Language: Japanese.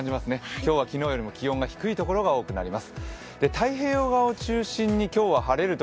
今日は昨日よりも気温が低いところが多くなります。